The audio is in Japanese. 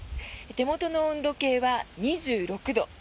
手元の温度計は２６度。